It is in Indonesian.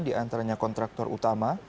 di antaranya kontraktor utama